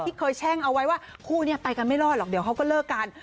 ที่เคยแช่งเอาไว้ว่าคู่นี้ไปกันไม่รอดหรอกเดี๋ยวเขาก็เลิกกัน